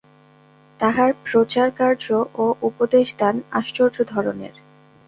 তাঁহার প্রচারকার্য ও উপদেশদান আশ্চর্য ধরনের।